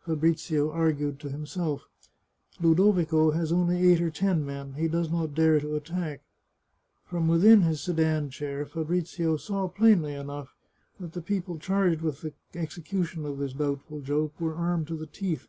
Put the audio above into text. Fabrizio argued to himself :" Ludovico has only eight or ten men ; he does not dare to attack." From within his sedan chair Fabrizio saw plainly enough that the people charged with the execution of this doubtful joke were armed to the teeth.